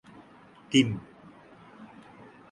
তিন